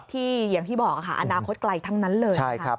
ที่อย่างพี่บอกอนาคตไกลทั้งนั้นเลย